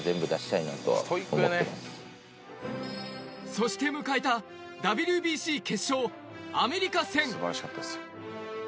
そして迎えたＷＢＣ決勝、アメリカ戦。